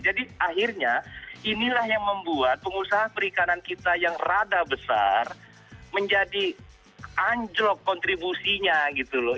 jadi akhirnya inilah yang membuat pengusaha perikanan kita yang rada besar menjadi anjlok kontribusinya gitu loh